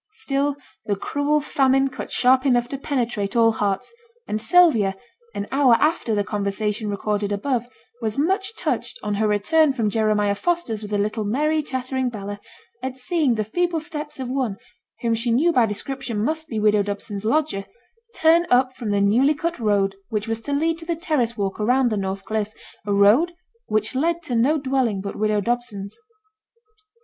Still the cruel famine cut sharp enough to penetrate all hearts; and Sylvia, an hour after the conversation recorded above, was much touched, on her return from Jeremiah Foster's with the little merry, chattering Bella, at seeing the feeble steps of one, whom she knew by description must be widow Dobson's lodger, turn up from the newly cut road which was to lead to the terrace walk around the North Cliff, a road which led to no dwelling but widow Dobson's.